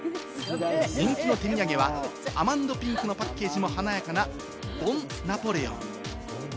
人気の手土産はアマンドピンクのパッケージも華やかな、ボン・ナポレオン。